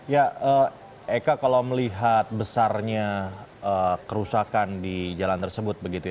ya eka kalau melihat besarnya kerusakan di jalan tersebut begitu ya